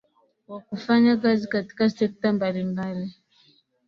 wakufanya kazi katika sekta mbalimbali